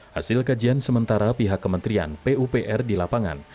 hasil kajian sementara pihak kementerian pupr di lapangan